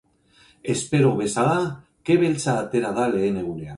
Espero bezala, ke beltza atera da lehen egunean.